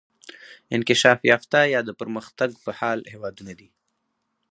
انکشاف یافته یا د پرمختګ په حال هیوادونه دي.